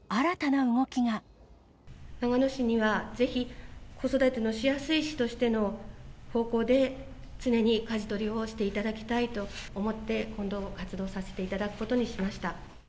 長野市にはぜひ、子育てのしやすい市としての方向で、常にかじ取りをしていただきたいと思って、活動させていただくことにしました。